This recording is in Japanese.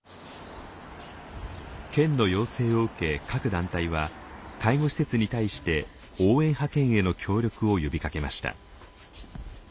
県の要請を受け各団体は介護施設に対して応援派遣への協力を呼びかけました。